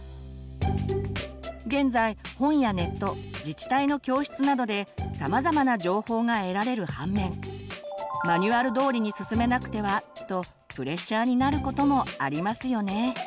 現在本やネット自治体の教室などでさまざまな情報が得られる反面マニュアル通りに進めなくてはとプレッシャーになることもありますよね。